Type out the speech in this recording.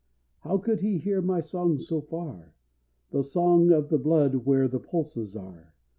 How could he hear my song so far, The song of the blood where the pulses are!